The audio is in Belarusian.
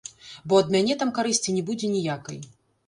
Бо ад мяне там карысці не будзе ніякай.